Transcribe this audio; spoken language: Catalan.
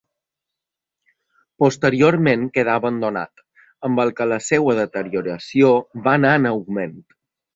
Posteriorment quedà abandonat, amb el que la seua deterioració va anar en augment.